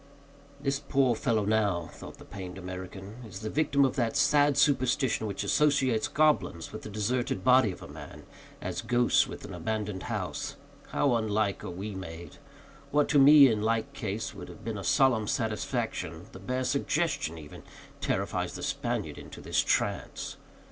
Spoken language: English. This poor fellow now, thought the pained American, is the victim of that sad superstition which associates goblins with the deserted body of man, as ghosts with an abandoned house. How unlike are we made! What to me, in like case, would have been a solemn satisfaction, the bare suggestion, even, terrifies the Spaniard into this trance.